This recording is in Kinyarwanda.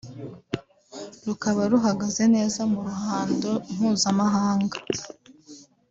rukaba ruhagaze neza mu ruhando mpuzamahanga